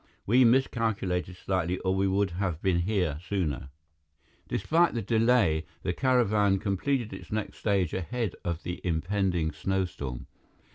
We miscalculated slightly or we would have been here sooner." Despite the delay, the caravan completed its next stage ahead of the impending snowstorm.